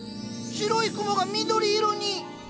白い雲が緑色に！